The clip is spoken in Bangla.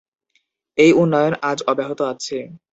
এই উন্নয়ন আজ অব্যাহত আছে।